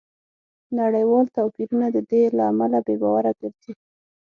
نړیوال توپیرونه د دې له امله بې باوره ګرځي